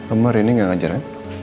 omar ini gak ngajar ya